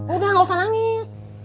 udah gak usah nangis